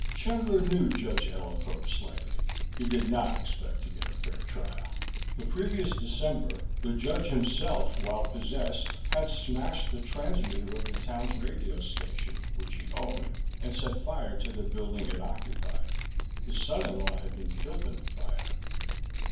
Chandler knew Judge Ellithorp slightly. He did not expect to get a fair trial. The previous December the judge himself, while possessed, had smashed the transmitter of the town's radio station, which he owned, and set fire to the building it occupied. His son in law had been killed in the fire.